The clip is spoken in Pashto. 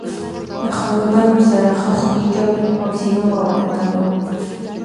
له ښاګردانو سره ښه خوي کوئ! او سینه مه ور ته تنګوئ!